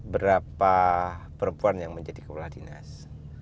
berapa perempuan yang menjadi kepala dinas